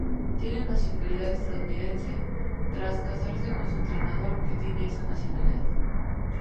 Tiene nacionalidad estadounidense tras casarse con su entrenador que tiene esa nacionalidad.